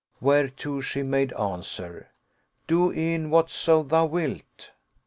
Whereto she made answer, "Do e'en whatso thou wilt."